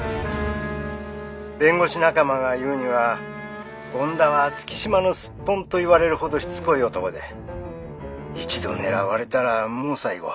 ☎弁護士仲間が言うには権田は月島のスッポンと言われるほどしつこい男で一度狙われたらもう最後。